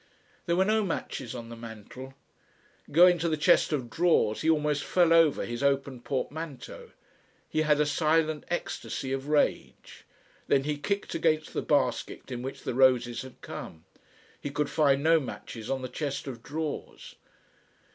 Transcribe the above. There were no matches on the mantel. Going to the chest of drawers he almost fell over his open portmanteau. He had a silent ecstasy of rage. Then he kicked against the basket in which the roses had come. He could find no matches on the chest of drawers.